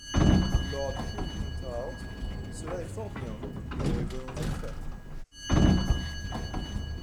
Lord Clinton Tout cela est fort bien, mais venons au fait.